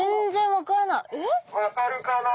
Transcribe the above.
「分かるかな？」。